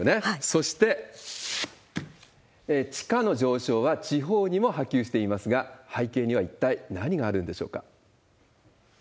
そして、地価の上昇は地方にも波及していますが、背景には一体何があるんでしょうか。